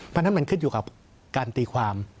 เพราะฉะนั้นมันเข้าใจกับการตีความ